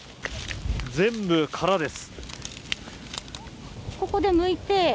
全部殻です。